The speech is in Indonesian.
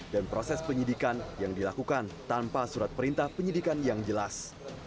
proses penyidikan yang dilakukan tanpa surat perintah penyidikan yang jelas